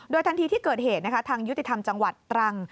ทันทีที่เกิดเหตุทางยุติธรรมจังหวัดตรัง